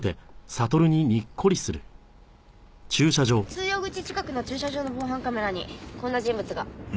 通用口近くの駐車場の防犯カメラにこんな人物が。